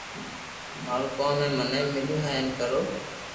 مارو ڪوم ھي مني مليو ھي ھين ڪرو